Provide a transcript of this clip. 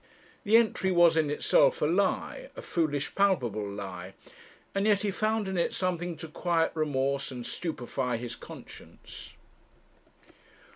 The entry was in itself a lie a foolish, palpable lie and yet he found in it something to quiet remorse and stupefy his conscience.